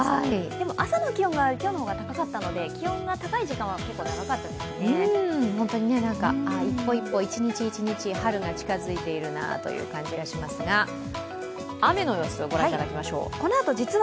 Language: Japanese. でも、朝の気温が今日の方が高かったので、気温が高い時間は一歩一歩、一日一日春が近づいているなという感じがしますが、雨の様子、ご覧いただきましょう。